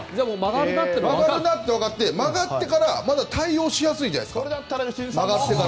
曲がるなって分かって曲がってから対応しやすいです。